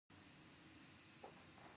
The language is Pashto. همدارنګه هغه دا اصول منصفانه او اخلاقي ګڼي.